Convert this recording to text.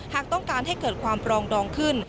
หากต้องการให้เกิดความปรองดองขึ้น